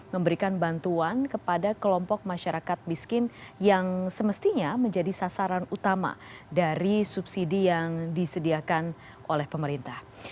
memberikan bantuan kepada kelompok masyarakat miskin yang semestinya menjadi sasaran utama dari subsidi yang disediakan oleh pemerintah